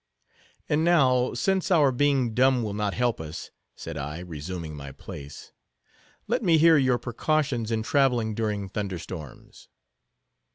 "And now, since our being dumb will not help us," said I, resuming my place, "let me hear your precautions in traveling during thunder storms."